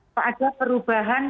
atau ada perubahan